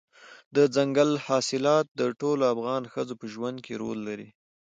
دځنګل حاصلات د ټولو افغان ښځو په ژوند کې رول لري.